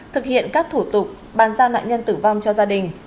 thực hiện các thủ tục bàn giao nạn nhân tử vong cho gia đình